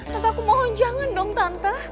tante aku mohon jangan dong tante